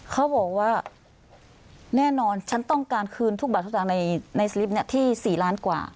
เขาบอกว่าแน่นอนฉันต้องการคืนทุกบัตรศึกษาในสลิปนี้ที่สี่ล้านกว่า